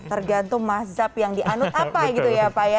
tergantung mazhab yang dianut apa gitu ya pak ya